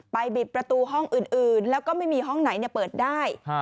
บิดประตูห้องอื่นแล้วก็ไม่มีห้องไหนเปิดได้